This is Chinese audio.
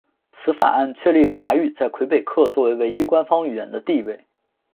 此法案确立法语在魁北克作为唯一官方语言的地位。